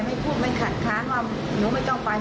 แม่ภูมิใจมากจนเราปุกไม่ได้